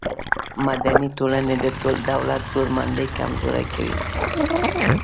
مدني ټولنې د دولت زورمندي کمزورې کوي.